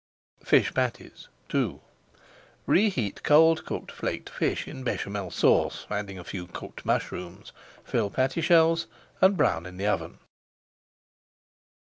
FISH PATTIES II Reheat cold cooked flaked fish in Béchamel Sauce, adding a few cooked mushrooms. Fill patty shells and brown in the oven.